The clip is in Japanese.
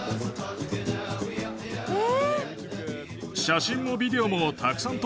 え！